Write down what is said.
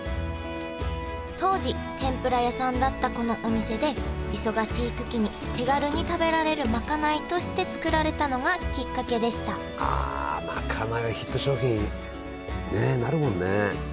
当時天ぷら屋さんだったこのお店で忙しいときに手軽に食べられるまかないとして作られたのがきっかけでしたあまかないはヒット商品ねえなるもんね。